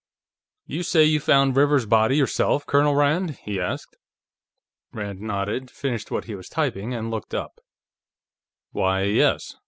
"You say you found Rivers's body yourself, Colonel Rand?" he asked. Rand nodded, finished what he was typing, and looked up. "Why, yes.